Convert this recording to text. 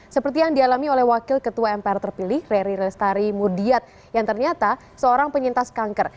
seperti yang dialami oleh wakil ketua mpr terpilih rary restari mudiat yang ternyata seorang penyintas kanker